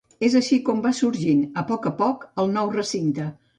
És així com va sorgint a poc a poc el nou recinte.